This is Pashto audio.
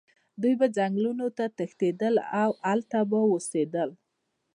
دوی به ځنګلونو ته تښتېدل او هلته به اوسېدل.